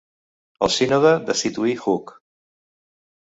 El sínode destituí Hug.